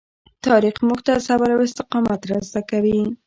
تاریخ موږ ته صبر او استقامت را زده کوي.